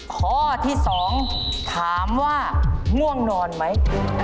ข้อที่๒ถามว่าง่วงนอนไหม